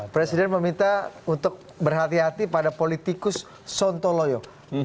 presiden meminta untuk berhati hati pada politikus sontoloyo